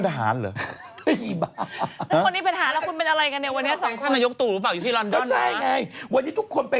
จากธนาคารกรุงเทพฯ